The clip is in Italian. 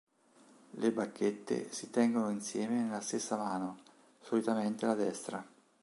Le bacchette si tengono insieme nella stessa mano, solitamente la destra.